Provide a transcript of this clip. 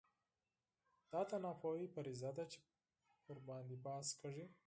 دا د ناپوهۍ فرضیه ده چې پرې بحث کېږي.